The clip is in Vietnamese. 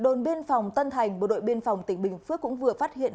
đồn biên phòng tân thành bộ đội biên phòng tỉnh bình phước cũng vừa phát hiện